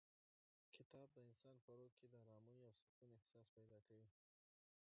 کتاب د انسان په روح کې د ارامۍ او سکون احساس پیدا کوي.